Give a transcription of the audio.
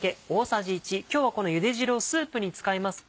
今日はこのゆで汁をスープに使います。